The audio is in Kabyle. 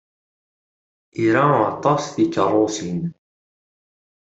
Ira aṭas tikeṛṛusin.